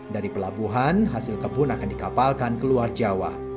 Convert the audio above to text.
dari pelabuhan hasil kebun akan dikapalkan keluar jawa